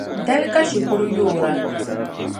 Dali ka shikuru yoora.